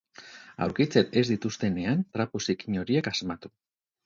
Aurkitzen ez dituztenean trapu zikin horiek asmatu.